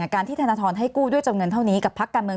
การที่ธนทรให้กู้ด้วยจำนวนเท่านี้กับพักการเมือง